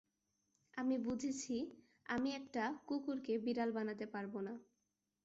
আমি বুঝেছি আমি একটা কুকুরকে বিড়াল বানাতে পারবো না।